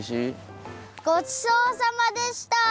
ごちそうさまでした！